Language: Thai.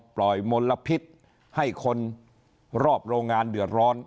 มลพิษให้คนรอบโรงงานเดือดร้อน